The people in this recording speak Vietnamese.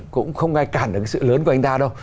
cũng không ai cản được cái sự lớn của anh ta đâu